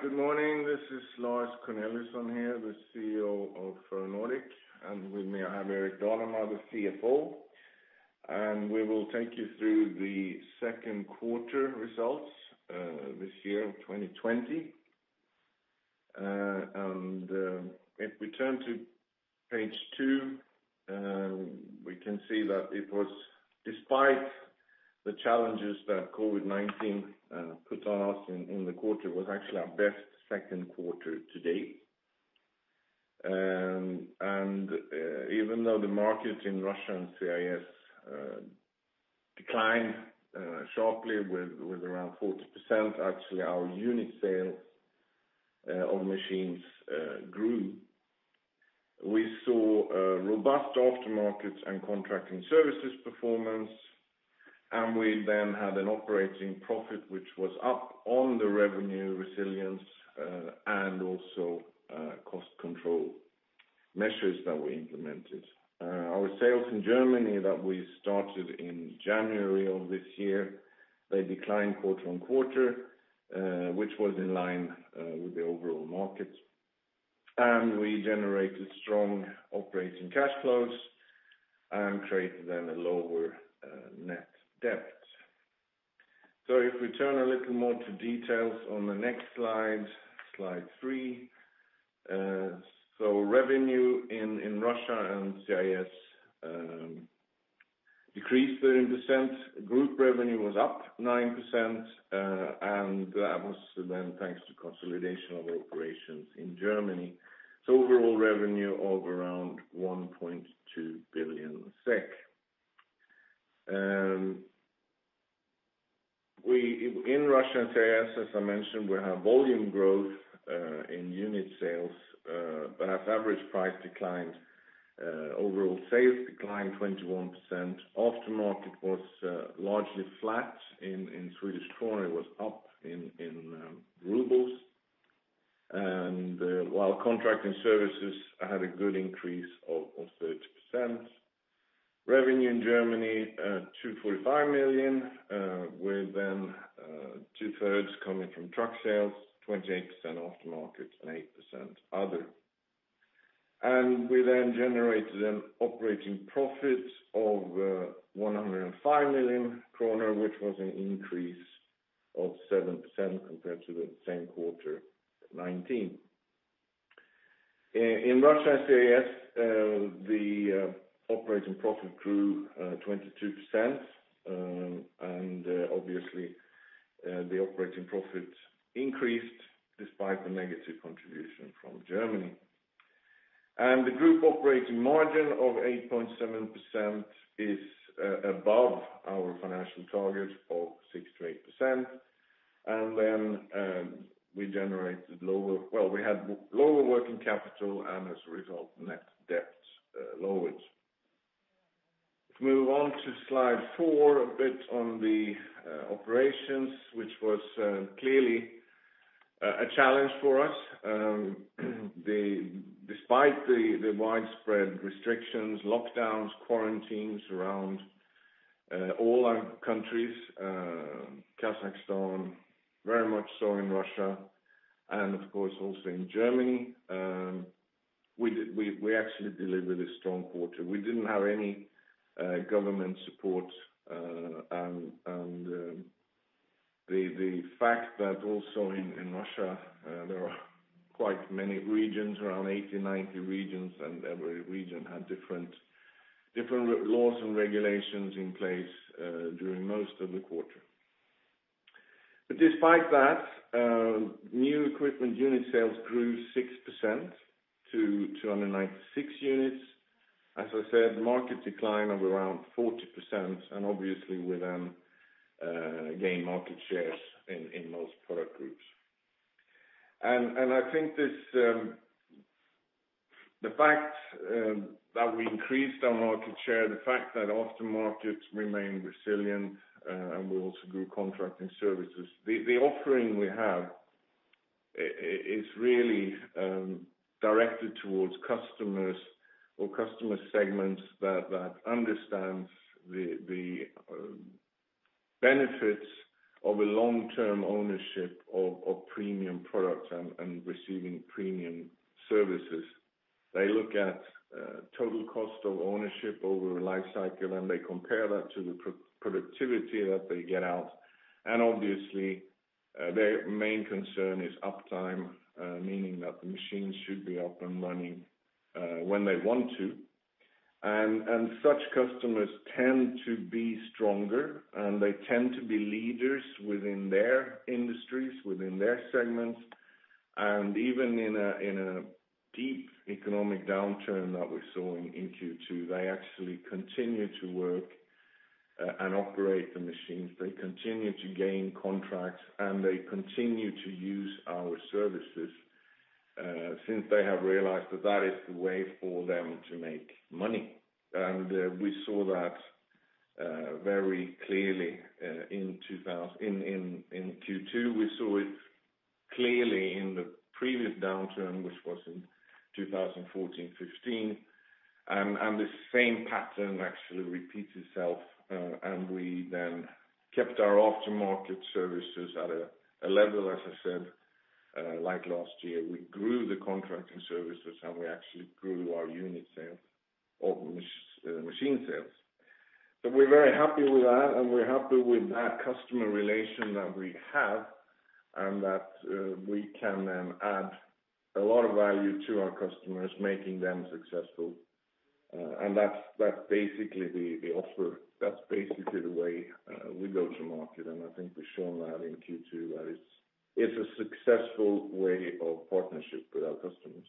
All right. Good morning. This is Lars Corneliusson here, the CEO of Ferronordic, and with me I have Erik Danemar, the CFO, and we will take you through the second quarter results this year, 2020, and if we turn to page two, we can see that it was, despite the challenges that COVID-19 put on us in the quarter, it was actually our best second quarter to date, and even though the market in Russia and CIS declined sharply with around 40%, actually our unit sales of machines grew. We saw robust aftermarket and contracting services performance, and we then had an operating profit which was up on the revenue resilience and also cost control measures that were implemented. Our sales in Germany that we started in January of this year, they declined quarter on quarter, which was in line with the overall market. We generated strong operating cash flows and created then a lower net debt. So if we turn a little more to details on the next slide, slide three, so revenue in Russia and CIS decreased 30%. Group revenue was up 9%, and that was then thanks to consolidation of operations in Germany. So overall revenue of around 1.2 billion SEK. In Russia and CIS, as I mentioned, we have volume growth in unit sales, but as average price declined, overall sales declined 21%. Aftermarket was largely flat. In Swedish krona, it was up in rubles. And while contracting services had a good increase of 30%. Revenue in Germany, 245 million, with then two-thirds coming from truck sales, 28% aftermarket, and 8% other. And we then generated an operating profit of 105 million kronor, which was an increase of 7% compared to the same quarter 2019. In Russia and CIS, the operating profit grew 22%, and obviously the operating profit increased despite the negative contribution from Germany, and the group operating margin of 8.7% is above our financial target of 6%-8%, and then we generated lower, well, we had lower working capital, and as a result, net debt lowered. If we move on to slide four, a bit on the operations, which was clearly a challenge for us. Despite the widespread restrictions, lockdowns, quarantines around all our countries, Kazakhstan very much so in Russia, and of course also in Germany, we actually delivered a strong quarter. We didn't have any government support, and the fact that also in Russia there are quite many regions, around 80-90 regions, and every region had different laws and regulations in place during most of the quarter, but despite that, new equipment unit sales grew 6% to 296 units. As I said, market decline of around 40%, and obviously we then gained market shares in most product groups, and I think the fact that we increased our market share, the fact that aftermarket remained resilient, and we also grew contracting services, the offering we have is really directed towards customers or customer segments that understand the benefits of a long-term ownership of premium products and receiving premium services. They look at total cost of ownership over a life cycle, and they compare that to the productivity that they get out. And obviously, their main concern is uptime, meaning that the machines should be up and running when they want to, and such customers tend to be stronger, and they tend to be leaders within their industries, within their segments. Even in a deep economic downturn that we saw in Q2, they actually continue to work and operate the machines. They continue to gain contracts, and they continue to use our services since they have realized that that is the way for them to make money. We saw that very clearly in Q2. We saw it clearly in the previous downturn, which was in 2014-15. The same pattern actually repeats itself, and we then kept our aftermarket services at a level, as I said, like last year. We grew the contracting services, and we actually grew our unit sales of machine sales. We're very happy with that, and we're happy with that customer relation that we have, and that we can then add a lot of value to our customers, making them successful. That's basically the offer. That's basically the way we go to market, and I think we've shown that in Q2, that it's a successful way of partnership with our customers.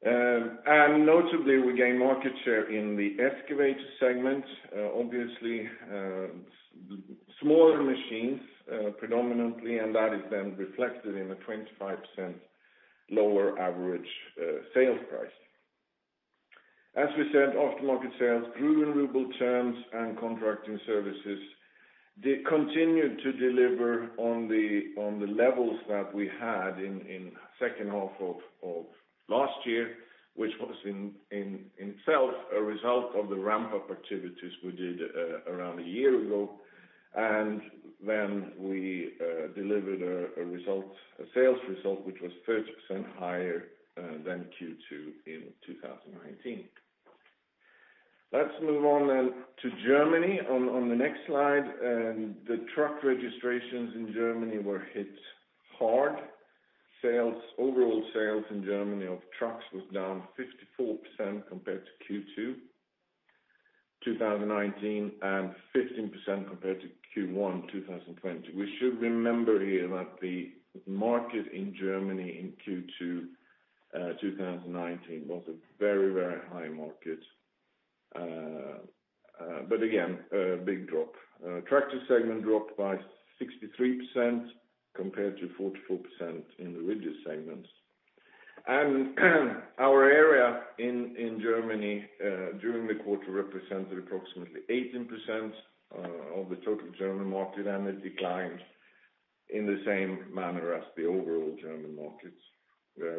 And notably, we gained market share in the excavator segment, obviously smaller machines predominantly, and that is then reflected in a 25% lower average sales price. As we said, aftermarket sales grew in ruble terms, and contracting services continued to deliver on the levels that we had in the second half of last year, which was in itself a result of the ramp-up activities we did around a year ago. And then we delivered a sales result which was 30% higher than Q2 in 2019. Let's move on then to Germany on the next slide. The truck registrations in Germany were hit hard. Overall sales in Germany of trucks was down 54% compared to Q2 2019 and 15% compared to Q1 2020. We should remember here that the market in Germany in Q2 2019 was a very, very high market, but again, a big drop. Tractor segment dropped by 63% compared to 44% in the rigid segments, and our area in Germany during the quarter represented approximately 18% of the total German market, and it declined in the same manner as the overall German markets.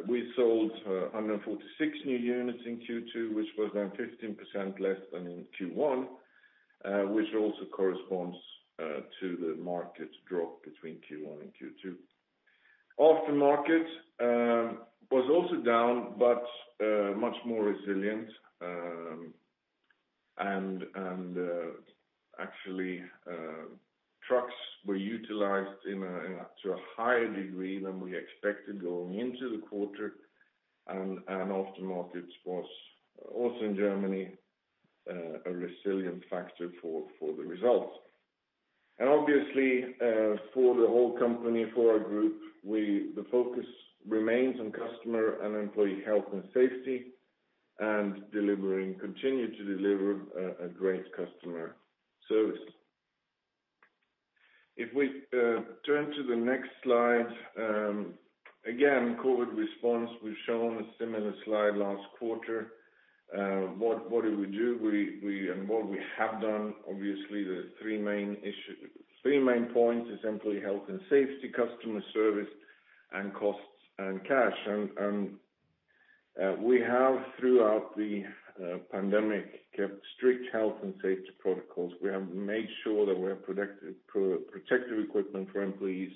We sold 146 new units in Q2, which was then 15% less than in Q1, which also corresponds to the market drop between Q1 and Q2. Aftermarket was also down, but much more resilient, and actually, trucks were utilized to a higher degree than we expected going into the quarter, and aftermarket was also in Germany a resilient factor for the results. Obviously, for the whole company, for our group, the focus remains on customer and employee health and safety and continuing to deliver a great customer service. If we turn to the next slide, again, COVID response, we've shown a similar slide last quarter. What did we do? What we have done, obviously, the three main points are simply health and safety, customer service, and costs and cash. We have, throughout the pandemic, kept strict health and safety protocols. We have made sure that we have protective equipment for employees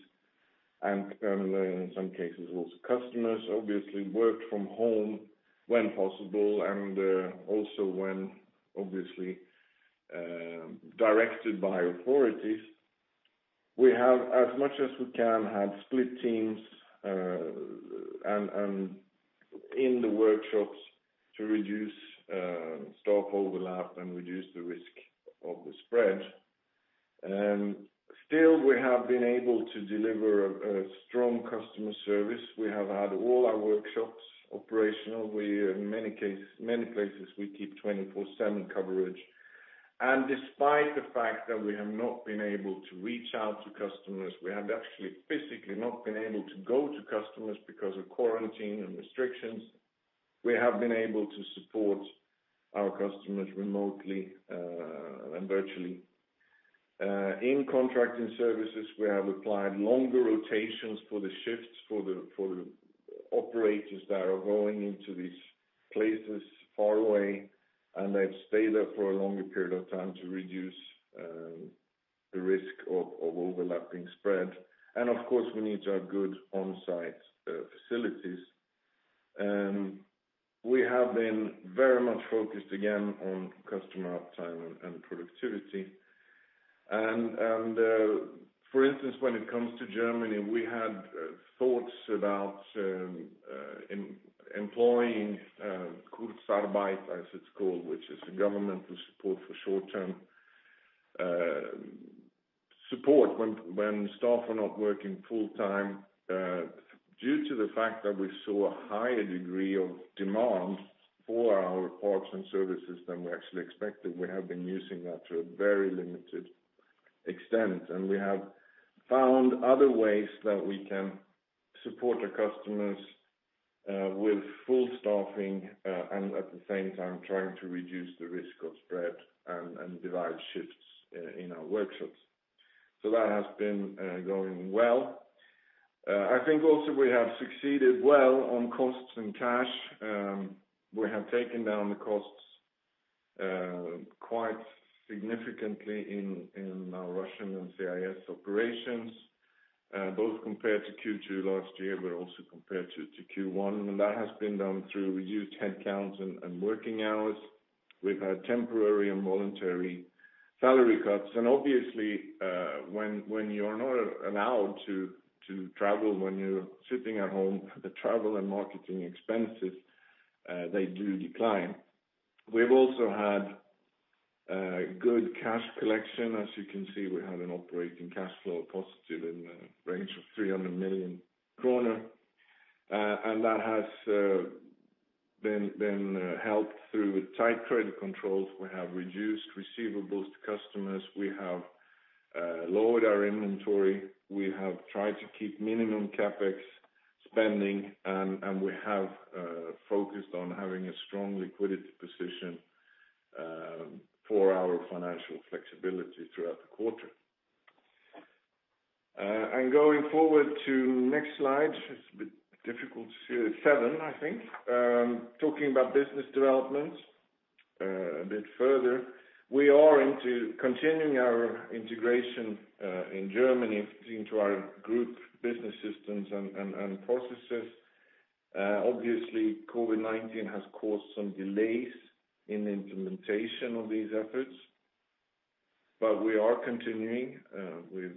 and, in some cases, also customers. Obviously, we worked from home when possible and also when, obviously, directed by authorities. We have, as much as we can, had split teams in the workshops to reduce staff overlap and reduce the risk of the spread. Still, we have been able to deliver a strong customer service. We have had all our workshops operational. In many places, we keep 24/7 coverage. And despite the fact that we have not been able to reach out to customers, we have actually physically not been able to go to customers because of quarantine and restrictions, we have been able to support our customers remotely and virtually. In contracting services, we have applied longer rotations for the shifts for the operators that are going into these places far away, and they've stayed there for a longer period of time to reduce the risk of overlapping spread. And of course, we need to have good on-site facilities. We have been very much focused again on customer uptime and productivity. And for instance, when it comes to Germany, we had thoughts about employing Kurzarbeit, as it's called, which is a governmental support for short-term support when staff are not working full-time. Due to the fact that we saw a higher degree of demand for our parts and services than we actually expected, we have been using that to a very limited extent. And we have found other ways that we can support our customers with full staffing and at the same time trying to reduce the risk of spread and divide shifts in our workshops. So that has been going well. I think also we have succeeded well on costs and cash. We have taken down the costs quite significantly in our Russian and CIS operations, both compared to Q2 last year, but also compared to Q1. And that has been done through reduced headcount and working hours. We've had temporary and voluntary salary cuts. And obviously, when you're not allowed to travel when you're sitting at home, the travel and marketing expenses, they do decline. We've also had good cash collection. As you can see, we had an operating cash flow positive in the range of 300 million kronor, and that has been helped through tight credit controls. We have reduced receivables to customers. We have lowered our inventory. We have tried to keep minimum CapEx spending, and we have focused on having a strong liquidity position for our financial flexibility throughout the quarter, and going forward to next slide, it's a bit difficult to see it, seven, I think. Talking about business developments a bit further, we are into continuing our integration in Germany into our group business systems and processes. Obviously, COVID-19 has caused some delays in the implementation of these efforts, but we are continuing with,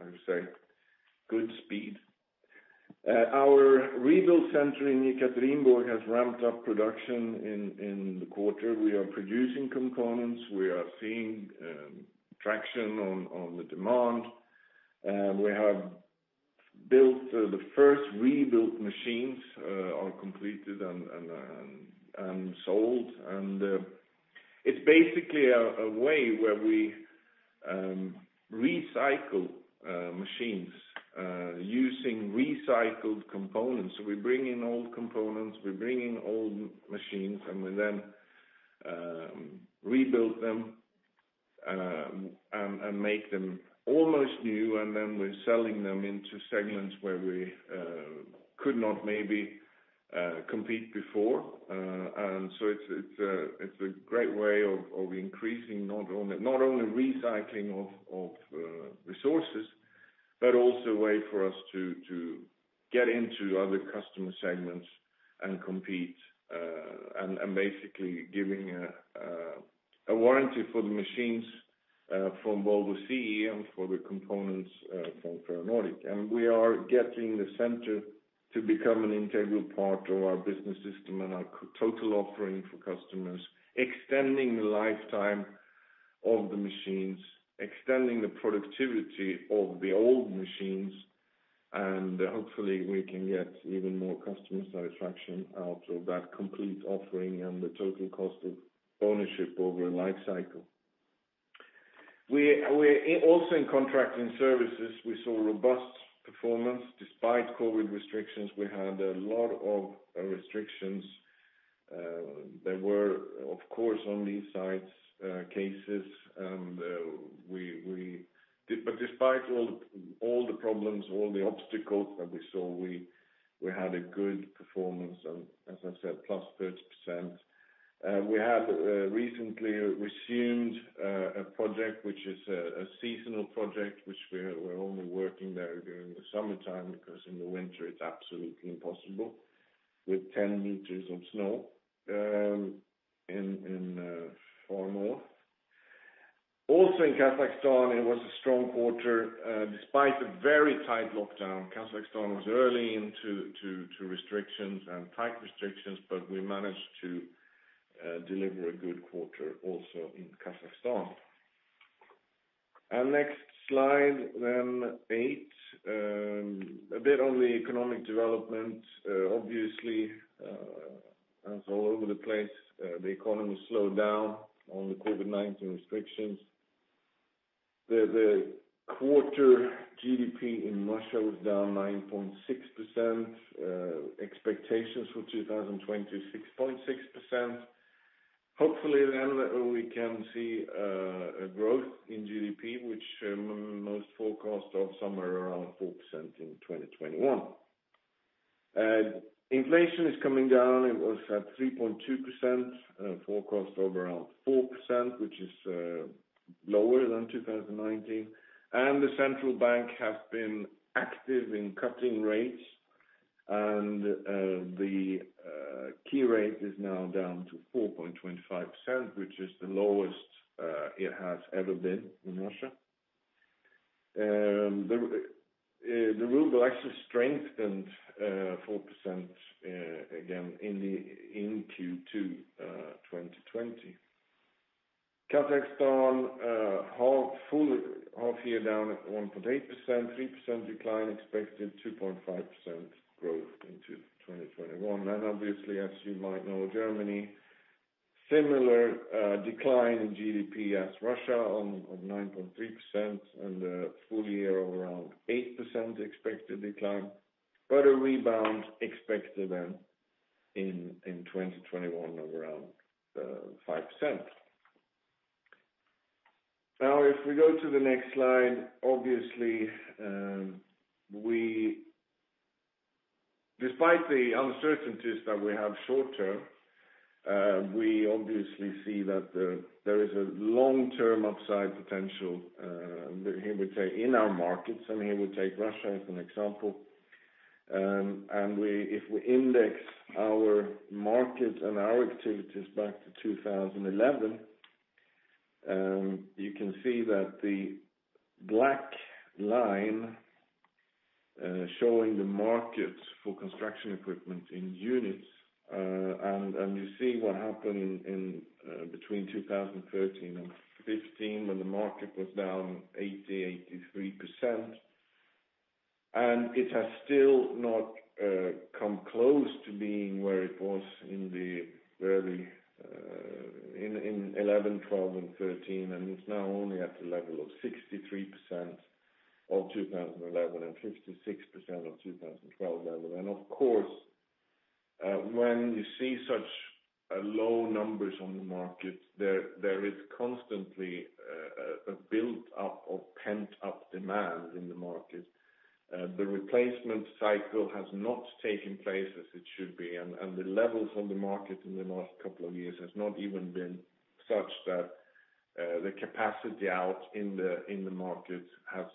I would say, good speed. Our rebuild center in Yekaterinburg has ramped up production in the quarter. We are producing components. We are seeing traction on the demand. We have built the first rebuilt machines that are completed and sold, and it's basically a way where we recycle machines using recycled components, so we bring in old components. We bring in old machines, and we then rebuild them and make them almost new, and then we're selling them into segments where we could not maybe compete before, and so it's a great way of increasing not only recycling of resources, but also a way for us to get into other customer segments and compete and basically giving a warranty for the machines from Volvo CEM for the components from Ferronordic, and we are getting the center to become an integral part of our business system and our total offering for customers, extending the lifetime of the machines, extending the productivity of the old machines. And hopefully, we can get even more customer satisfaction out of that complete offering and the total cost of ownership over a life cycle. Also in contracting services, we saw robust performance despite COVID restrictions. We had a lot of restrictions. There were, of course, on these sites cases. But despite all the problems, all the obstacles that we saw, we had a good performance. And as I said, 30%. We have recently resumed a project, which is a seasonal project, which we're only working there during the summertime because in the winter, it's absolutely impossible with 10 meters of snow in far north. Also in Kazakhstan, it was a strong quarter. Despite a very tight lockdown, Kazakhstan was early into restrictions and tight restrictions, but we managed to deliver a good quarter also in Kazakhstan. And next slide then, eight. A bit on the economic development. Obviously, as all over the place, the economy slowed down on the COVID-19 restrictions. The quarter GDP in Russia was down 9.6%. Expectations for 2020 were 6.6%. Hopefully, then we can see a growth in GDP, which most forecasts are somewhere around 4% in 2021. Inflation is coming down. It was at 3.2%. Forecasts are around 4%, which is lower than 2019. And the central bank has been active in cutting rates. And the key rate is now down to 4.25%, which is the lowest it has ever been in Russia. The ruble actually strengthened 4% again in Q2 2020. Kazakhstan, half year down at 1.8%. 3% decline expected, 2.5% growth into 2021. And obviously, as you might know, Germany, similar decline in GDP as Russia of 9.3% and a full year of around 8% expected decline, but a rebound expected then in 2021 of around 5%. Now, if we go to the next slide, obviously, despite the uncertainties that we have short-term, we obviously see that there is a long-term upside potential. Here we take in our markets, and here we take Russia as an example. And if we index our markets and our activities back to 2011, you can see that the black line showing the markets for construction equipment in units. And you see what happened between 2013 and 2015 when the market was down 80%-83%. And it has still not come close to being where it was in 2011, 2012, and 2013. And it's now only at the level of 63% of 2011 and 56% of 2012 level. And of course, when you see such low numbers on the market, there is constantly a build-up of pent-up demand in the market. The replacement cycle has not taken place as it should be. And the levels on the market in the last couple of years have not even been such that the capacity out in the market has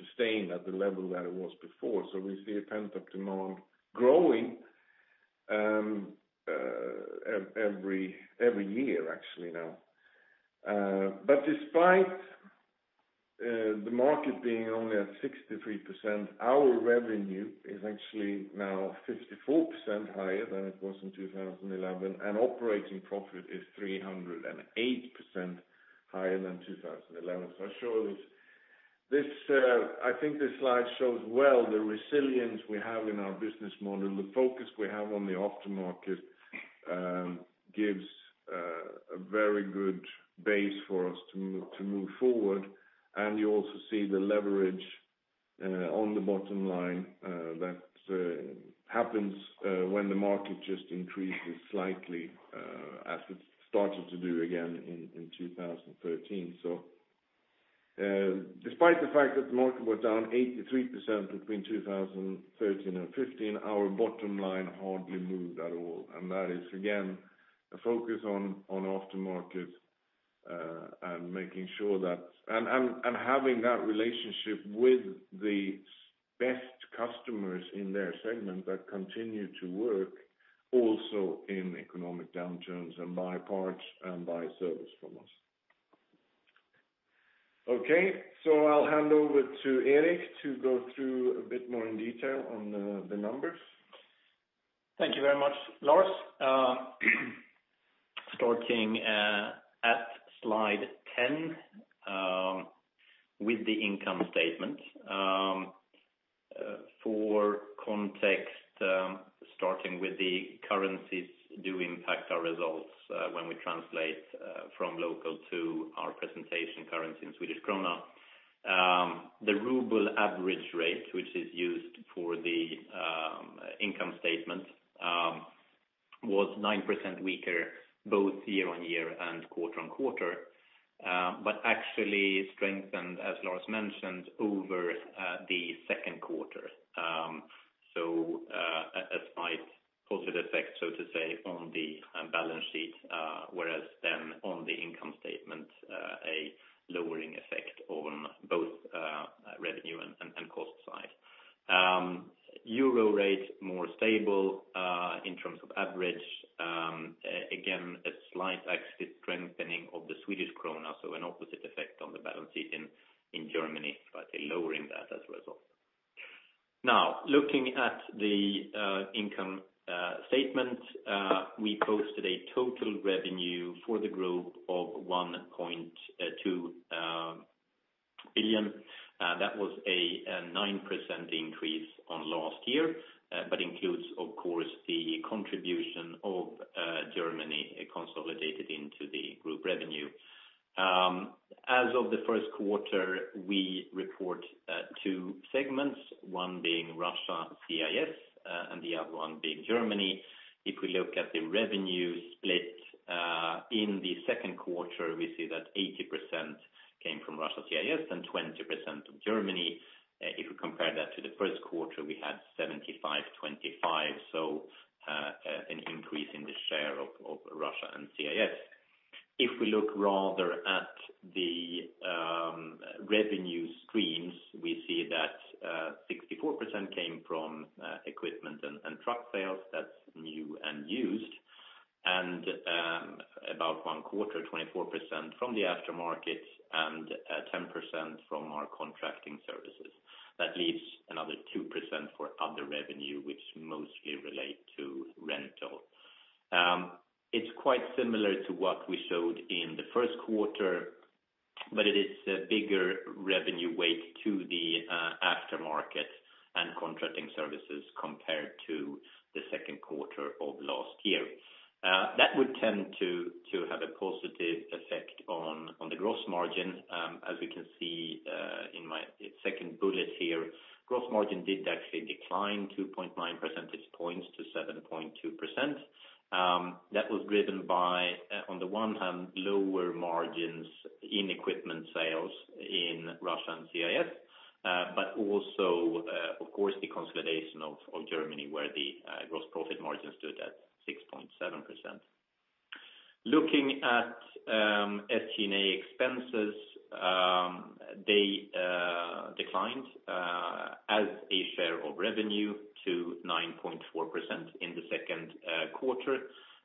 sustained at the level that it was before. So we see a pent-up demand growing every year, actually, now. But despite the market being only at 63%, our revenue is actually now 54% higher than it was in 2011. And operating profit is 308% higher than 2011. So I show this. I think this slide shows well the resilience we have in our business model. The focus we have on the aftermarket gives a very good base for us to move forward. And you also see the leverage on the bottom line that happens when the market just increases slightly as it started to do again in 2013. So despite the fact that the market was down 83% between 2013 and 2015, our bottom line hardly moved at all. And that is, again, a focus on aftermarket and making sure that and having that relationship with the best customers in their segment that continue to work also in economic downturns and buy parts and buy service from us. Okay. So I'll hand over to Erik to go through a bit more in detail on the numbers. Thank you very much, Lars. Starting at slide 10 with the income statement. For context, starting with the currencies do impact our results when we translate from local to our presentation currency in Swedish krona. The ruble average rate, which is used for the income statement, was 9% weaker both year on year and quarter on quarter, but actually strengthened, as Lars mentioned, over the second quarter. So a slight positive effect, so to say, on the balance sheet, whereas then on the income statement, a lowering effect on both revenue and cost side. Euro rate more stable in terms of average. Again, a slight excess strengthening of the Swedish krona, so an opposite effect on the balance sheet in Germany, slightly lowering that as a result. Now, looking at the income statement, we posted a total revenue for the group of 1.2 billion. That was a 9% increase on last year, but includes, of course, the contribution of Germany consolidated into the group revenue. As of the first quarter, we report two segments, one being Russia CIS and the other one being Germany. If we look at the revenue split in the second quarter, we see that 80% came from Russia CIS and 20% from Germany. If we compare that to the first quarter, we had 75%, 25%, so an increase in the share of Russia and CIS. If we look rather at the revenue streams, we see that 64% came from equipment and truck sales. That's new and used, and about one quarter, 24% from the aftermarket and 10% from our contracting services. That leaves another 2% for other revenue, which mostly relate to rental. It's quite similar to what we showed in the first quarter, but it is a bigger revenue weight to the aftermarket and contracting services compared to the second quarter of last year. That would tend to have a positive effect on the gross margin. As we can see in my second bullet here, gross margin did actually decline 2.9 percentage points to 7.2%. That was driven by, on the one hand, lower margins in equipment sales in Russia and CIS, but also, of course, the consolidation of Germany where the gross profit margins stood at 6.7%. Looking at SG&A expenses, they declined as a share of revenue to 9.4% in the second quarter.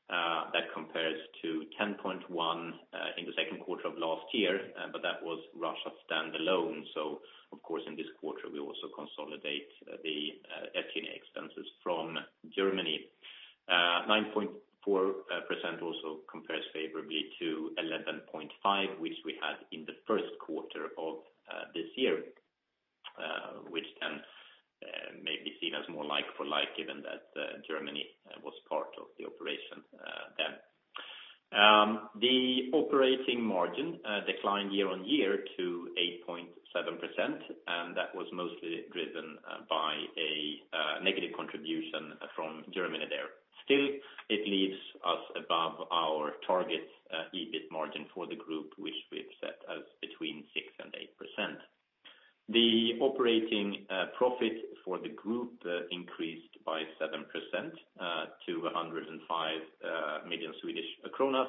That compares to 10.1% in the second quarter of last year, but that was Russia standalone. So, of course, in this quarter, we also consolidate the SG&A expenses from Germany. 9.4% also compares favorably to 11.5%, which we had in the first quarter of this year, which then may be seen as more like for like, given that Germany was part of the operation then. The operating margin declined year on year to 8.7%, and that was mostly driven by a negative contribution from Germany there. Still, it leaves us above our target EBIT margin for the group, which we've set as between 6% and 8%. The operating profit for the group increased by 7% to 105 million Swedish kronor,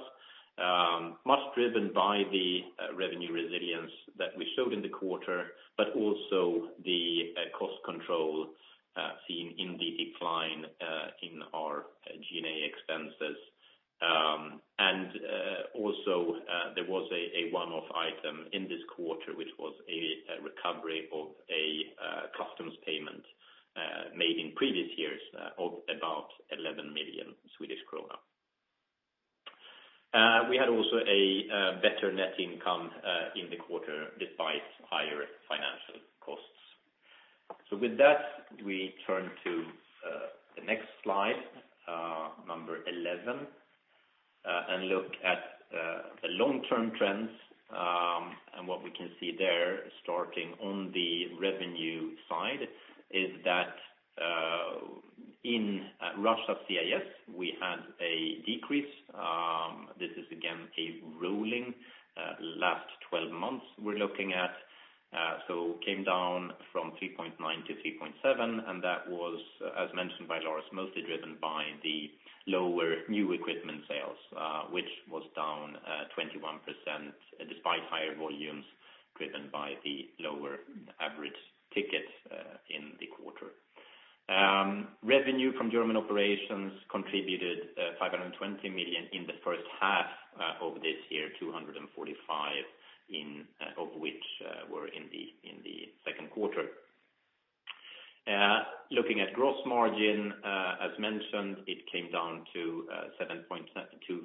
much driven by the revenue resilience that we showed in the quarter, but also the cost control seen in the decline in our G&A expenses. And also, there was a one-off item in this quarter, which was a recovery of a customs payment made in previous years of about 11 million Swedish krona. We had also a better net income in the quarter despite higher financial costs. So with that, we turn to the next slide, number 11, and look at the long-term trends. And what we can see there, starting on the revenue side, is that in Russia CIS, we had a decrease. This is, again, a rolling last 12 months we're looking at. So it came down from 3.9% to 3.7%. And that was, as mentioned by Lars, mostly driven by the lower new equipment sales, which was down 21% despite higher volumes driven by the lower average ticket in the quarter. Revenue from German operations contributed 520 million in the first half of this year, 245 million of which were in the second quarter. Looking at gross margin, as mentioned, it came down to 7.2%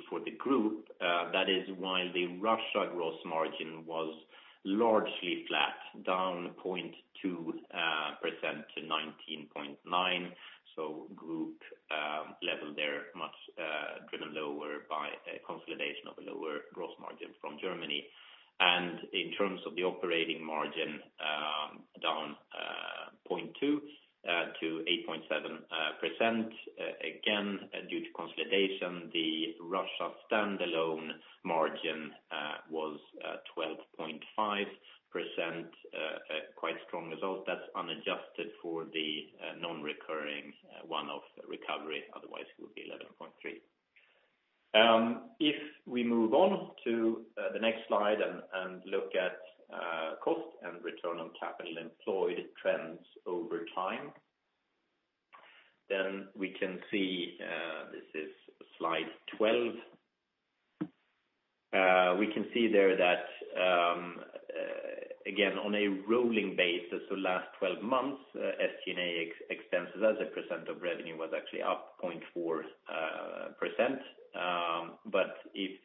for the group. That is, while the Russia gross margin was largely flat, down 0.2% to 19.9%. So, group level there, much driven lower by consolidation of a lower gross margin from Germany. And in terms of the operating margin, down 0.2% to 8.7%. Again, due to consolidation, the Russia standalone margin was 12.5%, quite strong result. That's unadjusted for the non-recurring one-off recovery. Otherwise, it would be 11.3%. If we move on to the next slide and look at cost and return on capital employed trends over time, then we can see this is slide 12. We can see there that, again, on a rolling basis, the last 12 months, SG&A expenses as a percent of revenue was actually up 0.4%. But if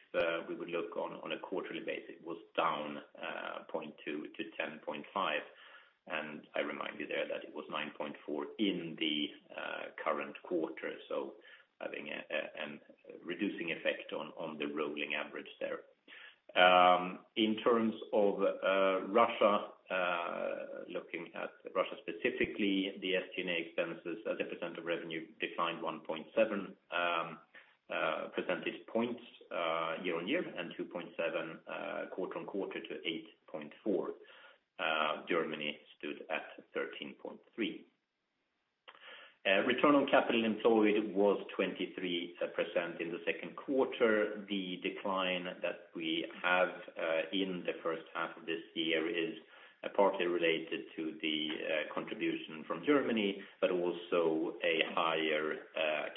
we would look on a quarterly basis, it was down 0.2% to 10.5%. And I remind you there that it was 9.4% in the current quarter. Having a reducing effect on the rolling average there. In terms of Russia, looking at Russia specifically, the SG&A expenses as a percent of revenue declined 1.7 percentage points year on year and 2.7% quarter on quarter to 8.4%. Germany stood at 13.3%. Return on capital employed was 23% in the second quarter. The decline that we have in the first half of this year is partly related to the contribution from Germany, but also a higher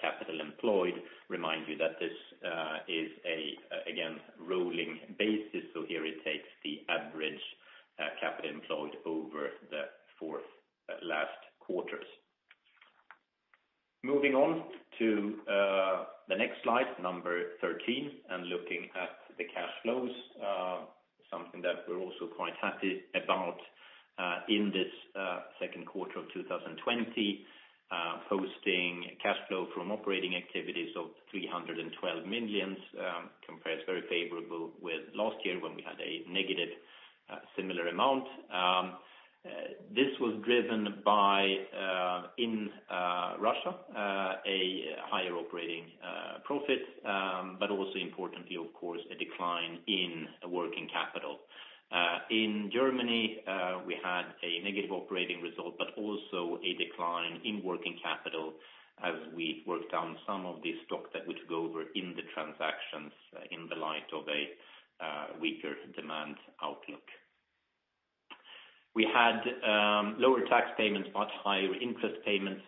capital employed. Remind you that this is a, again, rolling basis. So here it takes the average capital employed over the four last quarters. Moving on to the next slide, number 13, and looking at the cash flows, something that we're also quite happy about in this second quarter of 2020, posting cash flow from operating activities of 312 million compares very favorable with last year when we had a negative similar amount. This was driven by, in Russia, a higher operating profit, but also, importantly, of course, a decline in working capital. In Germany, we had a negative operating result, but also a decline in working capital as we worked down some of the stock that we took over in the transactions in the light of a weaker demand outlook. We had lower tax payments, but higher interest payments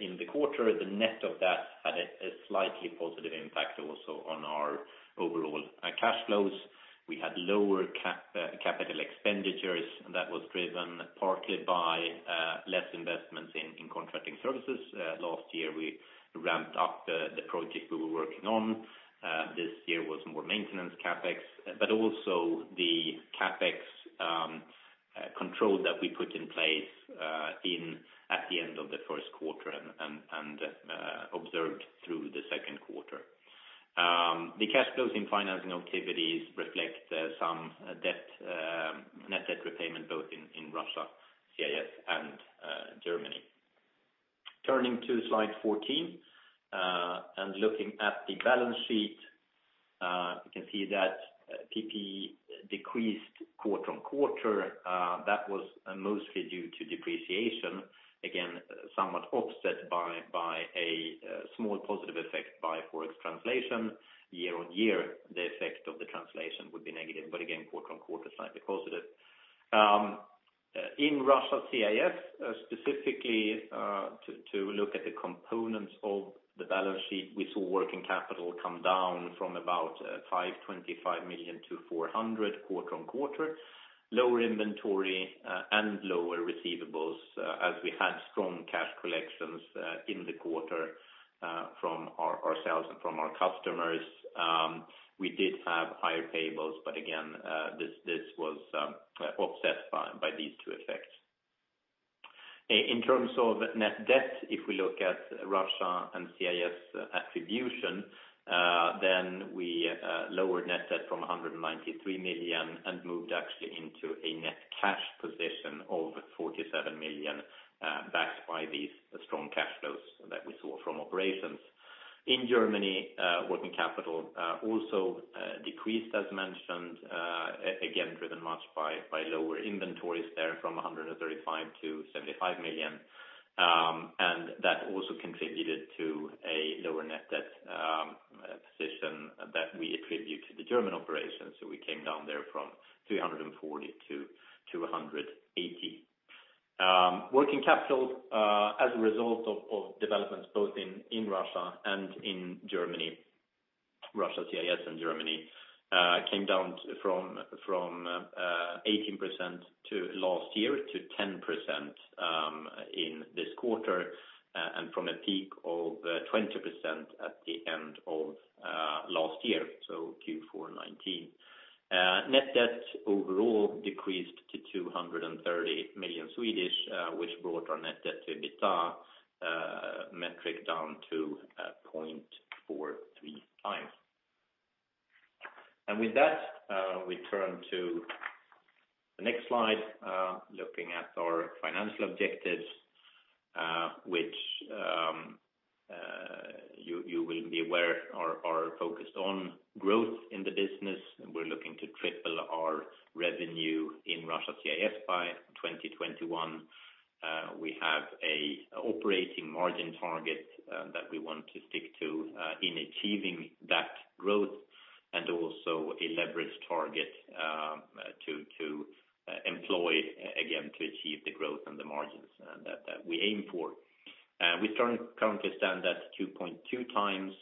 in the quarter. The net of that had a slightly positive impact also on our overall cash flows. We had lower capital expenditures. That was driven partly by less investments in contracting services. Last year, we ramped up the project we were working on. This year was more maintenance CapEx, but also the CapEx control that we put in place at the end of the first quarter and observed through the second quarter. The cash flows in financing activities reflect some net debt repayment both in Russia CIS and Germany. Turning to slide 14 and looking at the balance sheet, you can see that PPE decreased quarter on quarter. That was mostly due to depreciation, again, somewhat offset by a small positive effect by forex translation. Year on year, the effect of the translation would be negative, but again, quarter on quarter slightly positive. In Russia CIS, specifically to look at the components of the balance sheet, we saw working capital come down from about 525 million to 400 million quarter on quarter, lower inventory and lower receivables as we had strong cash collections in the quarter from ourselves and from our customers. We did have higher payables, but again, this was offset by these two effects. In terms of net debt, if we look at Russia and CIS attribution, then we lowered net debt from 193 million and moved actually into a net cash position of 47 million backed by these strong cash flows that we saw from operations. In Germany, working capital also decreased, as mentioned, again, driven much by lower inventories there from 135 million to 75 million, and that also contributed to a lower net debt position that we attribute to the German operations. We came down there from 340 to 280. Working capital, as a result of developments both in Russia and in Germany, Russia CIS and Germany, came down from 18% last year to 10% in this quarter and from a peak of 20% at the end of last year, so Q4 2019. Net debt overall decreased to 230 million, which brought our net debt to EBITDA metric down to 0.43 times. And with that, we turn to the next slide, looking at our financial objectives, which you will be aware are focused on growth in the business. We're looking to triple our revenue in Russia CIS by 2021. We have an operating margin target that we want to stick to in achieving that growth and also a leverage target to employ, again, to achieve the growth and the margins that we aim for. We currently stand at 2.2 times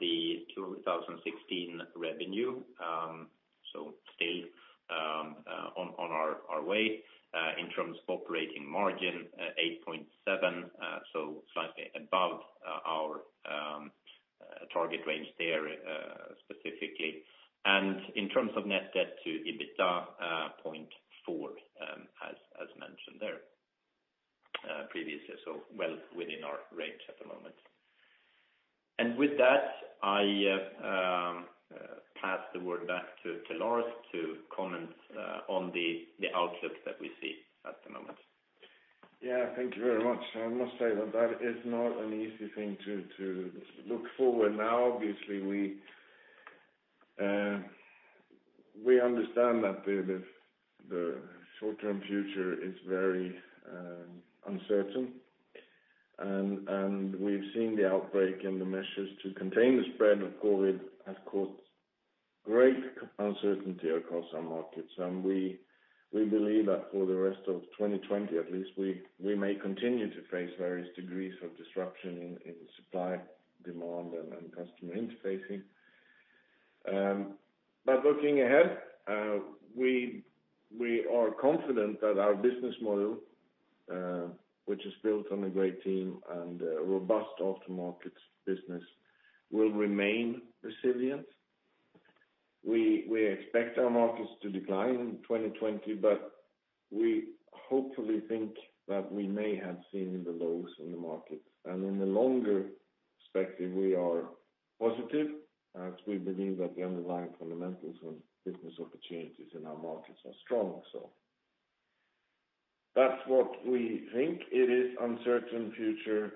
the 2016 revenue, so still on our way. In terms of operating margin, 8.7%, so slightly above our target range there specifically. And in terms of net debt to EBITDA, 0.4, as mentioned there previously, so well within our range at the moment, and with that, I pass the word back to Lars to comment on the outlook that we see at the moment. Yeah, thank you very much. I must say that that is not an easy thing to look forward now. Obviously, we understand that the short-term future is very uncertain, and we've seen the outbreak and the measures to contain the spread of COVID have caused great uncertainty across our markets, and we believe that for the rest of 2020, at least, we may continue to face various degrees of disruption in supply, demand, and customer interfacing. But looking ahead, we are confident that our business model, which is built on a great team and a robust aftermarket business, will remain resilient. We expect our markets to decline in 2020, but we hopefully think that we may have seen the lows in the markets. And in the longer perspective, we are positive as we believe that the underlying fundamentals and business opportunities in our markets are strong. So that's what we think. It is an uncertain future,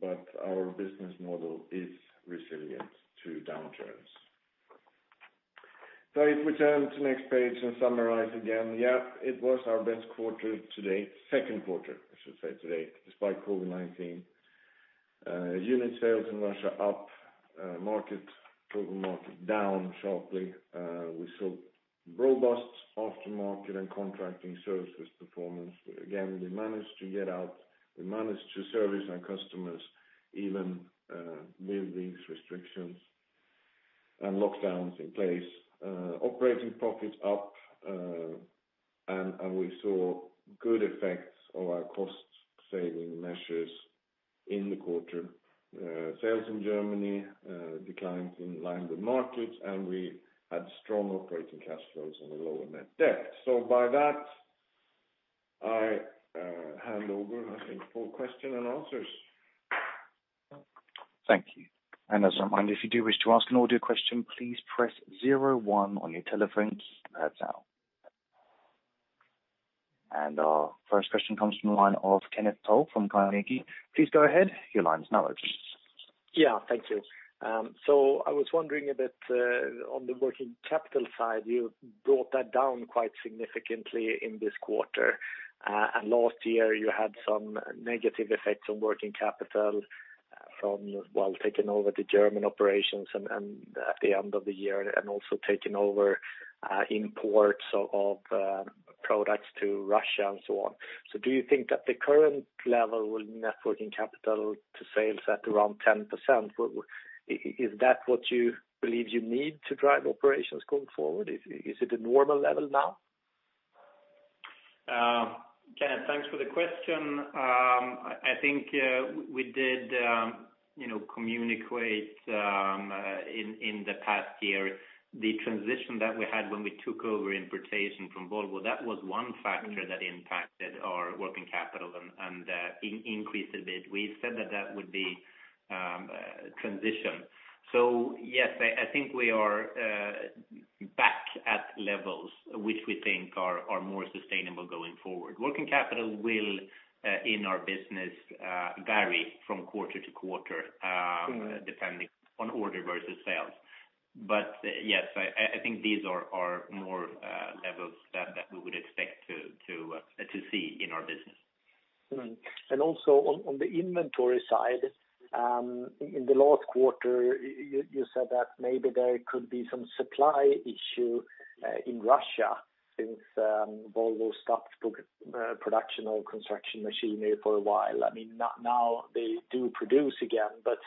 but our business model is resilient to downturns. So if we turn to the next page and summarize again, yeah, it was our best quarter to date, second quarter, I should say, to date, despite COVID-19. Unit sales in Russia up, market total market down sharply. We saw robust aftermarket and contracting services performance. Again, we managed to get out. We managed to service our customers even with these restrictions and lockdowns in place. Operating profits up, and we saw good effects of our cost-saving measures in the quarter. Sales in Germany declined in line with markets, and we had strong operating cash flows and a lower net debt. So by that, I hand over, I think, for questions and answers. Thank you. And as a reminder, if you do wish to ask an audio question, please press 01 on your telephone right now. And our first question comes from the line of Kenneth Toll from Carnegie. Please go ahead. Your line is now out. Yeah, thank you. So I was wondering a bit on the working capital side, you brought that down quite significantly in this quarter. Last year, you had some negative effects on working capital from, well, taking over the German operations at the end of the year and also taking over imports of products to Russia and so on. Do you think that the current level will net working capital to sales at around 10%? Is that what you believe you need to drive operations going forward? Is it a normal level now? Kenneth, thanks for the question. I think we did communicate in the past year the transition that we had when we took over importation from Volvo. That was one factor that impacted our working capital and increased a bit. We said that that would be transition. Yes, I think we are back at levels which we think are more sustainable going forward. Working capital will, in our business, vary from quarter to quarter depending on order versus sales. But yes, I think these are more levels that we would expect to see in our business. And also on the inventory side, in the last quarter, you said that maybe there could be some supply issue in Russia since Volvo stopped production of construction machinery for a while. I mean, now they do produce again, but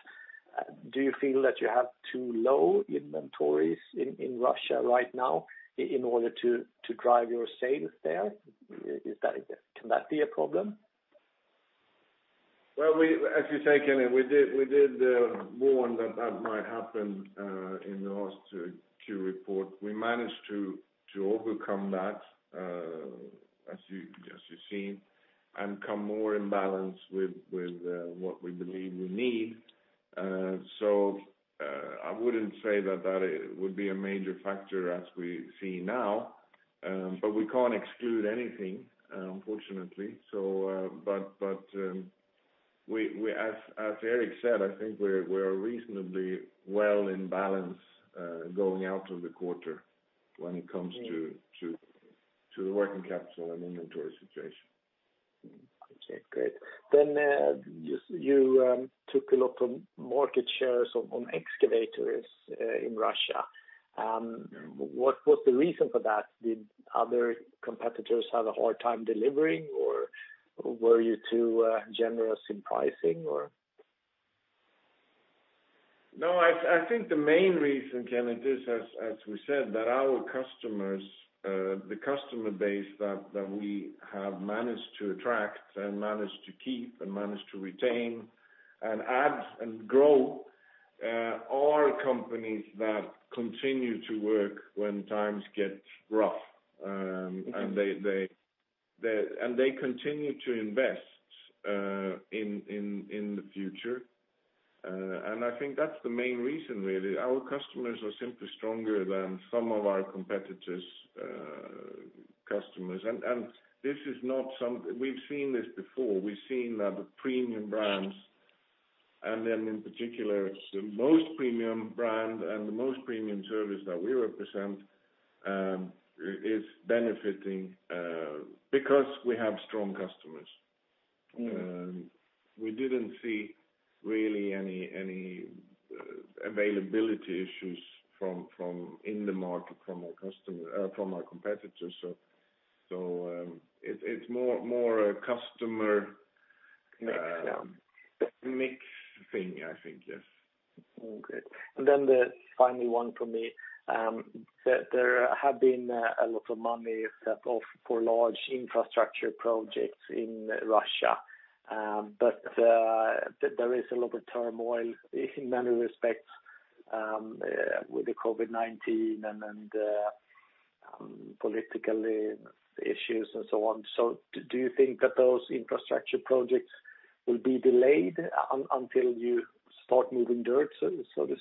do you feel that you have too low inventories in Russia right now in order to drive your sales there? Can that be a problem? Well, as you say, Kenneth, we did warn that that might happen in the last two reports. We managed to overcome that, as you've seen, and come more in balance with what we believe we need. So I wouldn't say that that would be a major factor as we see now, but we can't exclude anything, unfortunately. But as Erik said, I think we're reasonably well in balance going out of the quarter when it comes to the working capital and inventory situation. Okay, great. Then you took a lot of market shares on excavators in Russia. What was the reason for that? Did other competitors have a hard time delivering, or were you too generous in pricing, or? No, I think the main reason, Kenneth, is, as we said, that our customers, the customer base that we have managed to attract and managed to keep and managed to retain and add and grow, are companies that continue to work when times get rough. And they continue to invest in the future. And I think that's the main reason, really. Our customers are simply stronger than some of our competitors' customers. And this is not something we've seen this before. We've seen that the premium brands, and then in particular, the most premium brand and the most premium service that we represent is benefiting because we have strong customers. We didn't see really any availability issues in the market from our competitors. So it's more a customer mix thing, I think, yes. Okay. And then the final one for me, there have been a lot of money set off for large infrastructure projects in Russia, but there is a lot of turmoil in many respects with the COVID-19 and political issues and so on. So do you think that those infrastructure projects will be delayed until you start moving dirt, so to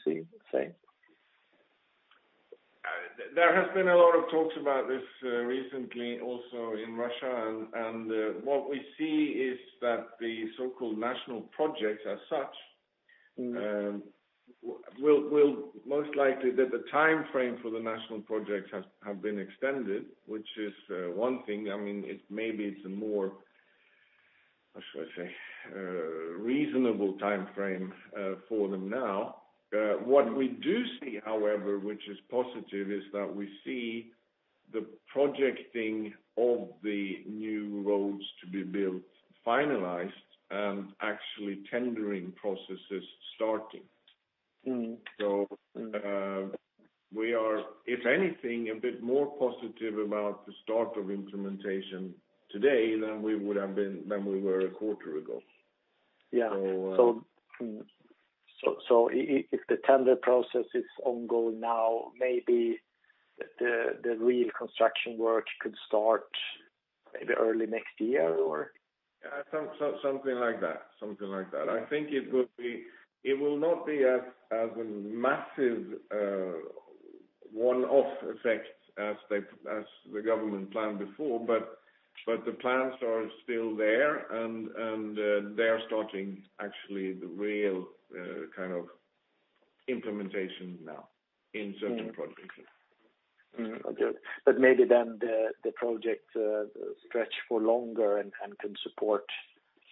say? There has been a lot of talks about this recently also in Russia. What we see is that the so-called national projects as such will most likely be that the timeframe for the national projects has been extended, which is one thing. I mean, maybe it's a more, how should I say, reasonable timeframe for them now. What we do see, however, which is positive, is that we see the projecting of the new roads to be built finalized and actually tendering processes starting. So we are, if anything, a bit more positive about the start of implementation today than we would have been when we were a quarter ago. Yeah. So if the tender process is ongoing now, maybe the real construction work could start maybe early next year, or? Something like that. Something like that. I think it will not be as a massive one-off effect as the government planned before, but the plans are still there, and they are starting actually the real kind of implementation now in certain projects. Okay, but maybe then the projects stretch for longer and can support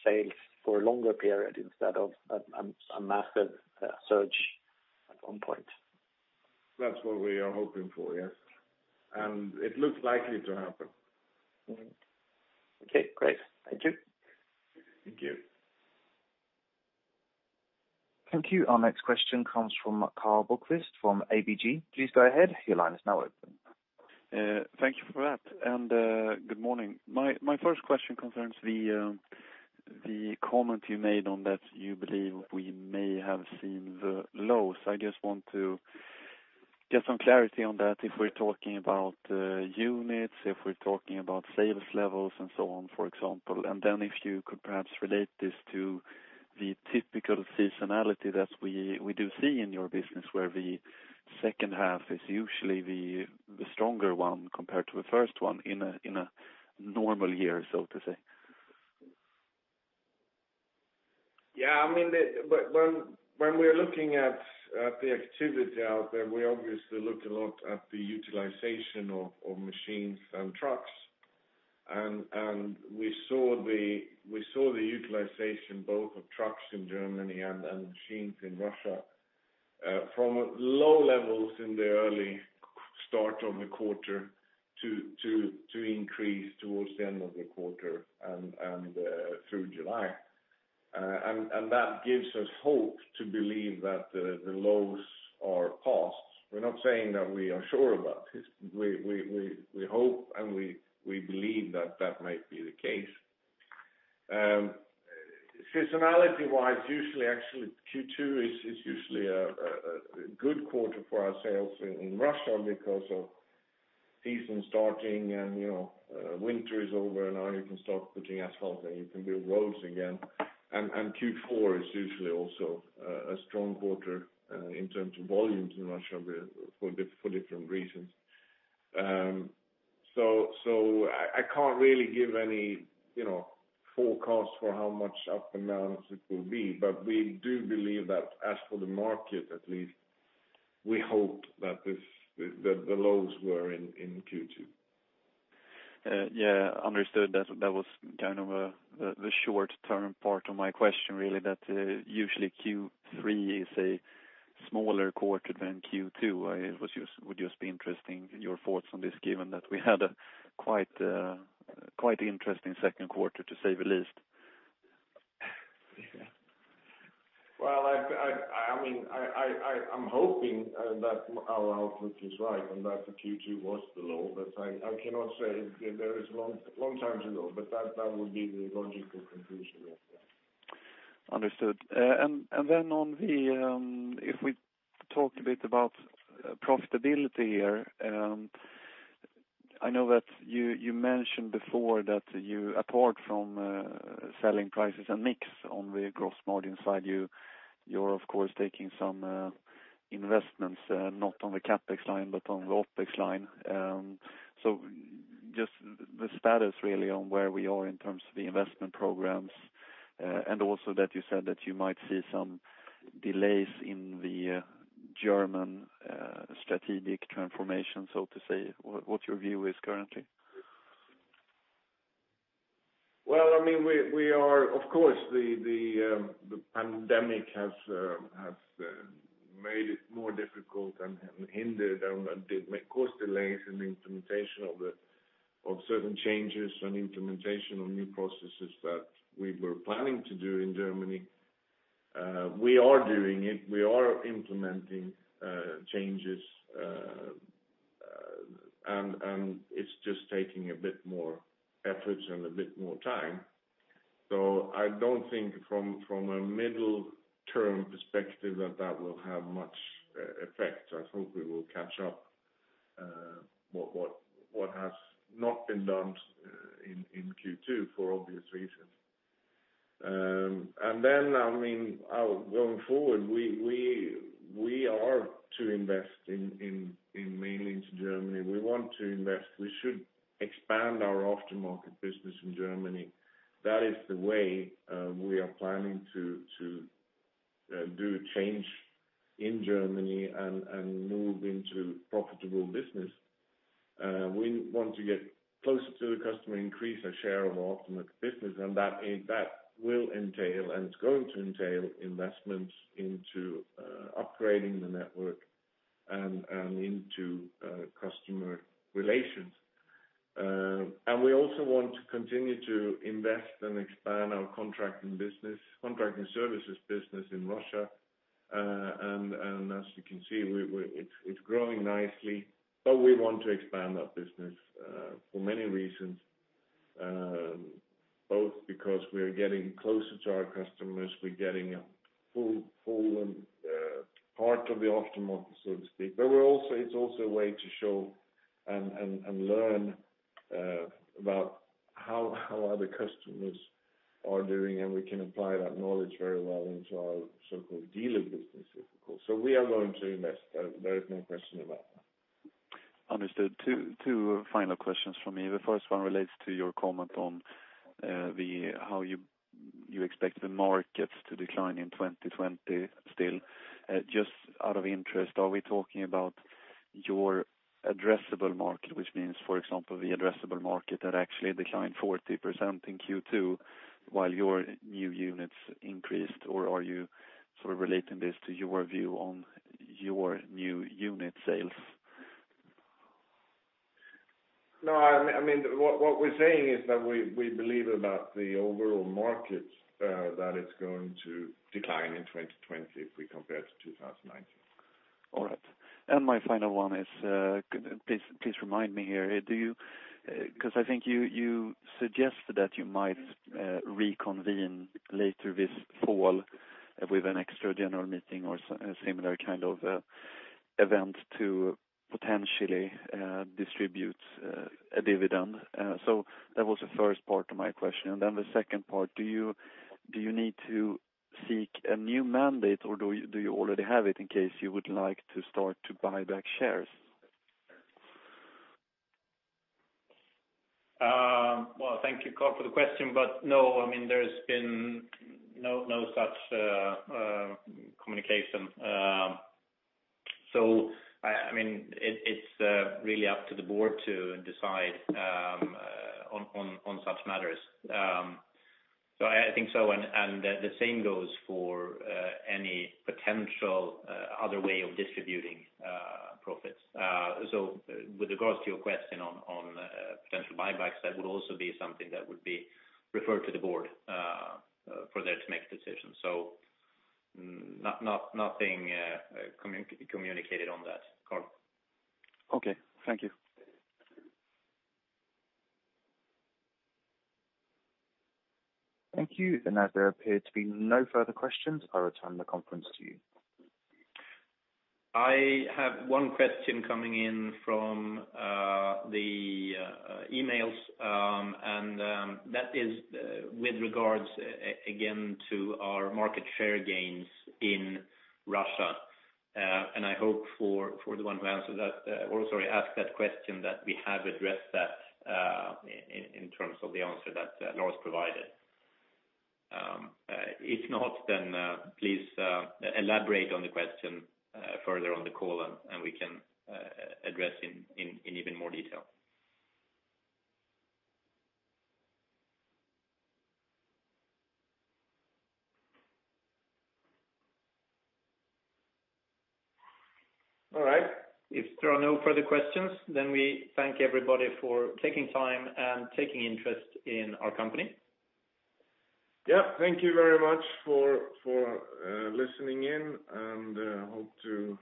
sales for a longer period instead of a massive surge at one point. That's what we are hoping for, yes, and it looks likely to happen. Okay, great. Thank you. Thank you. Thank you. Our next question comes from Karl Bokvist from ABG. Please go ahead. Your line is now open. Thank you for that, and good morning. My first question concerns the comment you made on that you believe we may have seen the lows. I just want to get some clarity on that if we're talking about units, if we're talking about sales levels and so on, for example. Then if you could perhaps relate this to the typical seasonality that we do see in your business where the second half is usually the stronger one compared to the first one in a normal year, so to say. Yeah. I mean, when we're looking at the activity out there, we obviously look a lot at the utilization of machines and trucks. And we saw the utilization both of trucks in Germany and machines in Russia from low levels in the early start of the quarter to increase towards the end of the quarter and through July. And that gives us hope to believe that the lows are past. We're not saying that we are sure about this. We hope and we believe that that might be the case. Seasonality-wise, usually, actually, Q2 is usually a good quarter for our sales in Russia because of season starting and winter is over, and now you can start putting asphalt and you can build roads again. And Q4 is usually also a strong quarter in terms of volumes in Russia for different reasons. So I can't really give any forecast for how much up and down it will be, but we do believe that as for the market, at least, we hope that the lows were in Q2. Yeah. Understood. That was kind of the short-term part of my question, really, that usually Q3 is a smaller quarter than Q2. It would just be interesting your thoughts on this, given that we had a quite interesting second quarter, to say the least. Well, I mean, I'm hoping that our outlook is right and that Q2 was the low. But I cannot say. There is a long time to go, but that would be the logical conclusion. Understood. And then if we talk a bit about profitability here, I know that you mentioned before that apart from selling prices and mix on the gross margin side, you're, of course, taking some investments, not on the CapEx line, but on the OpEx line. So just the status, really, on where we are in terms of the investment programs, and also that you said that you might see some delays in the German strategic transformation, so to say. What's your view currently? Well, I mean, of course, the pandemic has made it more difficult and hindered and caused delays in the implementation of certain changes and implementation of new processes that we were planning to do in Germany. We are doing it. We are implementing changes, and it's just taking a bit more effort and a bit more time. So I don't think from a middle-term perspective that that will have much effect. I hope we will catch up what has not been done in Q2 for obvious reasons. And then, I mean, going forward, we are to invest mainly into Germany. We want to invest. We should expand our aftermarket business in Germany. That is the way we are planning to do a change in Germany and move into profitable business. We want to get closer to the customer, increase our share of our aftermarket business, and that will entail and is going to entail investments into upgrading the network and into customer relations. And we also want to continue to invest and expand our contracting services business in Russia. And as you can see, it's growing nicely, but we want to expand that business for many reasons, both because we are getting closer to our customers, we're getting a full part of the aftermarket, so to speak. But it's also a way to show and learn about how other customers are doing, and we can apply that knowledge very well into our so-called dealer business, if you could. So we are going to invest. There is no question about that. Understood. Two final questions for me. The first one relates to your comment on how you expect the market to decline in 2020 still. Just out of interest, are we talking about your addressable market, which means, for example, the addressable market that actually declined 40% in Q2 while your new units increased? Or are you sort of relating this to your view on your new unit sales? No, I mean, what we're saying is that we believe about the overall market that it's going to decline in 2020 if we compare to 2019. All right, and my final one is, please remind me here, because I think you suggested that you might reconvene later this fall with an extra general meeting or a similar kind of event to potentially distribute a dividend. So that was the first part of my question, and then the second part, do you need to seek a new mandate, or do you already have it in case you would like to start to buy back shares? Well, thank you, Karl, for the question, but no, I mean, there's been no such communication. So I mean, it's really up to the board to decide on such matters, so I think so, and the same goes for any potential other way of distributing profits. So, with regards to your question on potential buybacks, that would also be something that would be referred to the board for them to make a decision. So, nothing communicated on that, Karl. Okay. Thank you. Thank you. And as there appear to be no further questions, I'll return the conference to you. I have one question coming in from the emails, and that is with regards, again, to our market share gains in Russia. And I hope for the one who answered that or sorry, asked that question that we have addressed that in terms of the answer that Lars provided. If not, then please elaborate on the question further on the call, and we can address it in even more detail. All right. If there are no further questions, then we thank everybody for taking time and taking interest in our company. Yeah. Thank you very much for listening in, and I hope you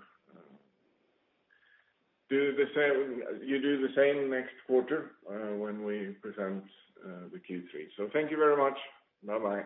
do the same next quarter when we present the Q3. So thank you very much. Bye-bye.